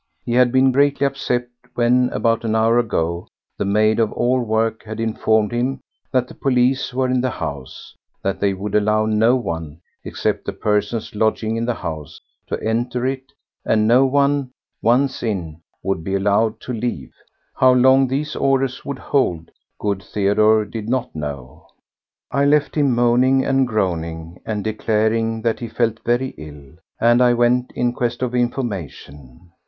He had been greatly upset when, about an hour ago, the maid of all work had informed him that the police were in the house, that they would allow no one—except the persons lodging in the house—to enter it, and no one, once in, would be allowed to leave. How long these orders would hold good Theodore did not know. I left him moaning and groaning and declaring that he felt very ill, and I went in quest of information.